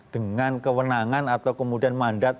dengan kewenangan atau kemudian mandat